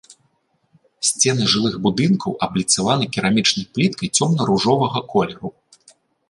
Сцены жылых будынкаў абліцаваны керамічнай пліткай цёмна-ружовага колеру.